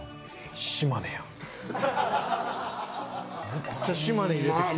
めっちゃ島根入れてくる。